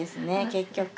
結局。